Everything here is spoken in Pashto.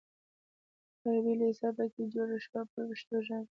حربي لېسه په کې جوړه شوه په پښتو ژبه.